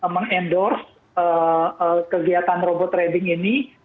meng endorse kegiatan robot trading ini